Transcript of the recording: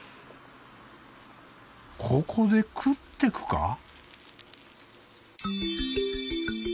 ここで食ってくか？